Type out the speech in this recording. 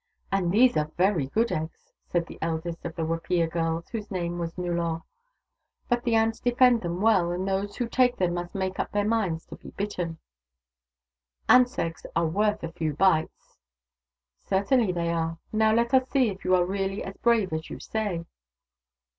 " And these are very good eggs," said the eldest of the Wapiya girls, whose name was Nullor. " But the ants defend them well, and those who take them must make up their minds to be bitten." " Ants' eggs are worth a few bites." " Certainly they are. Now let us see if you are really as brave as you say."